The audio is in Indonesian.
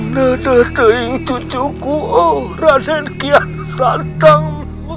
dedek dedek cucuku raden kian santang